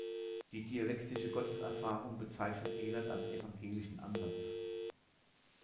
Die dialektische Gotteserfahrung bezeichnet Elert als „evangelischen Ansatz“.